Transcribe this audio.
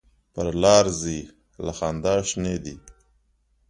پر لار ځي له خندا شینې دي.